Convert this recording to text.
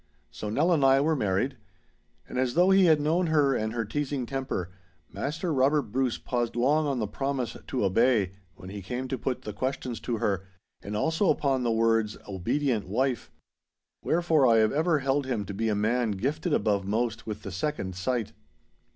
So Nell and I were married. And as though he had known her and her teasing temper, Maister Robert Bruce paused long on the promise to 'obey' when he came to put the questions to her, and also upon the words 'obedient wife.' Wherefore I have ever held him to be a man gifted above most with the second sight.